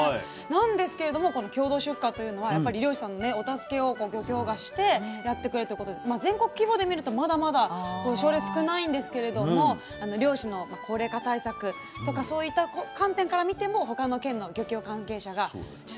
なんですけれどもこの共同出荷というのは漁師さんのお助けを漁協がしてやってくれるということで全国規模で見るとまだまだ例少ないんですけれども漁師の高齢化対策とかそういった観点から見ても他の県の漁協関係者が視察しに来たりとかして。